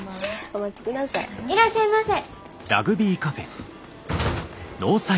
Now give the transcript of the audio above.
いらっしゃいませ。